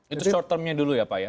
itu short term nya dulu ya pak ya